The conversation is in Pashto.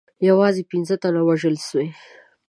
یوازې پنځه تنه وژل سوي.